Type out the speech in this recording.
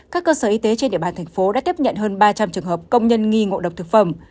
các cơ sở y tế trên địa bàn thành phố đã tiếp nhận hơn ba trăm linh trường hợp công nhân nghi ngộ độc thực phẩm